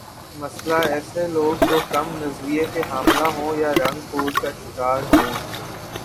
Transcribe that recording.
مثلا ایس لوگ جو کم نظریہ کے حاملہ ہوں یا رنگ کور کا شکار ہوں